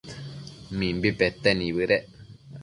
Mimbi pete nibëdec